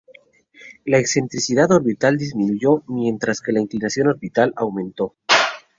La excentricidad orbital disminuyó mientras que la inclinación orbital aumentó.